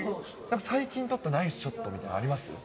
最近撮ったナイスショットみたいなのあります？